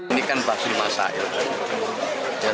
ini kan pasti masalah